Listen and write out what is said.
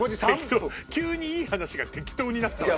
急にいい話が適当になったわよ。